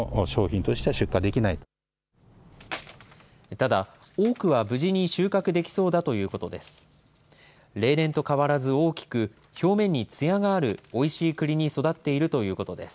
ただ、多くは無事に収穫できそうだということです。